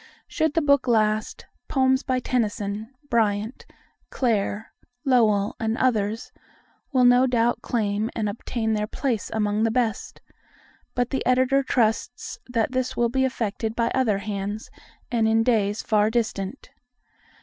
Should the book last, poems by Tennyson, Bryant, Clare, Lowell, and others, will no doubt claim and obtain their place among the best. But the Editor trusts that this will be effected by other hands, and in days far distant.